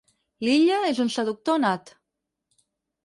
L'Illa és un seductor nat.